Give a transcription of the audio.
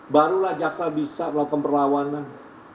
barulah jaksa bisa melakukan perlawanan